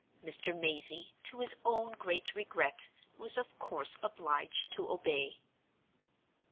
Mr. Mazey, to his own great regret, was of course obliged to obey.